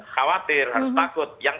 khawatir harus takut